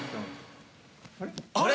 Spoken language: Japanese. あれ？